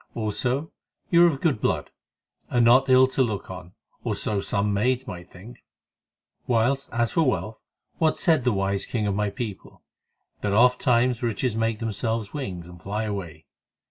Also, you are of good blood, and not ill to look on, or so some maids might think; whilst as for wealth, what said the wise king of my people?—that ofttimes riches make themselves wings and fly away.